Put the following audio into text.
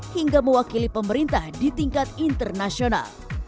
hingga mewakili pemerintah di tingkat internasional